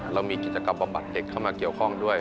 เรามีกิจกรรมบำบัดเด็กเข้ามาเกี่ยวข้องด้วย